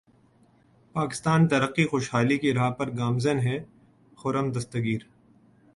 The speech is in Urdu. پاکستان ترقی خوشحالی کی راہ پر گامزن ہے خرم دستگیر